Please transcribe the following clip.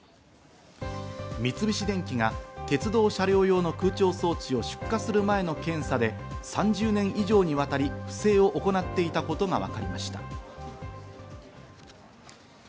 三菱電機が鉄道車両用の空調装置を出荷する前の検査で３０年以上にわたって不正を行っていたことがわかりました。